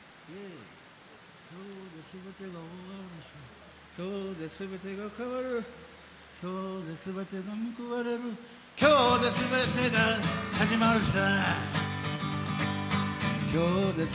「今日ですべてが終るさ今日ですべてが変わる」「今日ですべてがむくわれる今日ですべてが始まるさ」